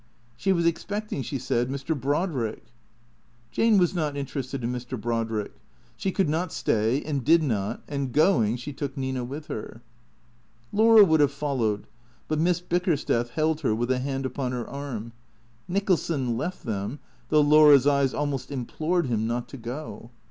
She was expecting, she said, Mr. Brodrick. Jane was not interested in Mr. Brodrick. She could not stay and did not, and, going, she took Nina with her. Laura would have followed, but Miss Bickersteth held her with a hand upon her arm. Nicholson left them, though Laura's eyes almost implored him not to go.